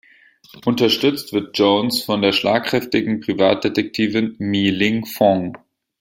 Unterstützt wird Jones von der schlagkräftigen Privatdetektivin Mi Ling Fong.